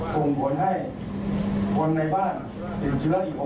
ส่งผลให้คนในบ้านถึงเชื้ออีก๖ราย